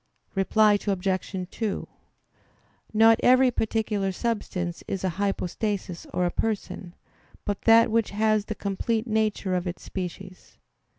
Reply Obj. 2: Not every particular substance is a hypostasis or a person, but that which has the complete nature of its species.